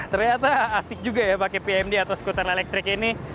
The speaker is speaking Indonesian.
ternyata asik juga ya pakai pmd atau skuter elektrik ini